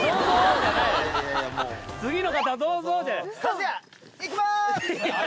「次の方どうぞ」で。